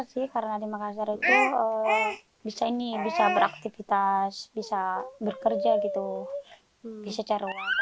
lebih senang di makassar sih karena di makassar itu bisa beraktivitas bisa bekerja bisa cari uang